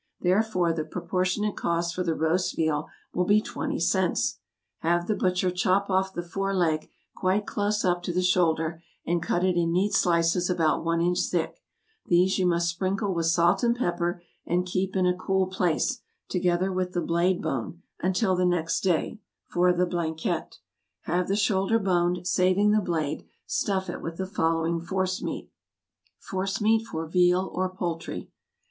Therefore the proportionate cost for the ROAST VEAL will be twenty cents. Have the butcher chop off the fore leg quite close up to the shoulder, and cut it in neat slices about one inch thick; these you must sprinkle with salt and pepper, and keep in a cool place, together with the blade bone, until the next day, for the BLANQUETTE. Have the shoulder boned, saving the blade; stuff it with the following forcemeat. =Forcemeat for Veal or Poultry.